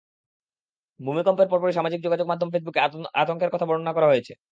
ভূমিকম্পের পরপরই সামাজিক যোগাযোগের মাধ্যম ফেসবুকে আতঙ্কের কথা বর্ণনা করা হয়েছে।